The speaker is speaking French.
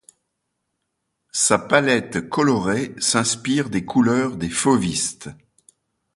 Sa palette colorée s'inspire des couleurs des fauvistes.